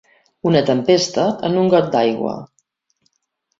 Una tempesta en un got d'aigua.